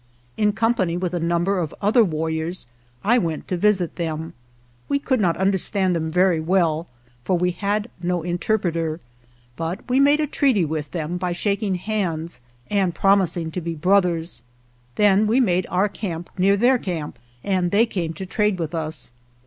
In company with a number of other warriors I went to visit them. We could not understand them very well, for we had no interpreter, but we made a treaty with them by shaking hands and promising to be brothers. Then we made our camp near their camp, and they came to trade with us.